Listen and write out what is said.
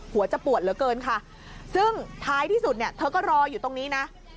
หัวจะปวดเหลือเกินค่ะซึ่งท้ายที่สุดเนี่ยเธอก็รออยู่ตรงนี้นะ